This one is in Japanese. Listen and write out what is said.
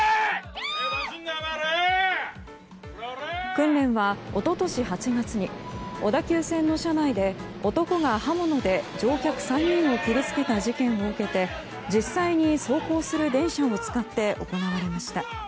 訓練は一昨年８月に小田急線の車内で男が刃物で乗客３人を切り付けた事件を受けて実際に走行する電車を使って行われました。